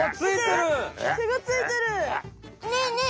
ねえねえ